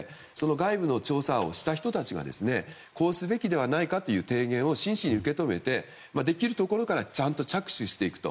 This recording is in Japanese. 外部の調査をした人たちがこうすべきではないかという提言を真摯に受け止めてできるところからちゃんと着手していくと。